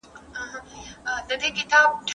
مفسدي ډلي کوم ډول کسان ځان ته جذبوي؟